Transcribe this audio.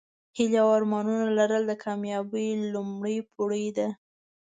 هیلې او ارمانونه لرل د کامیابۍ لومړۍ پوړۍ ده.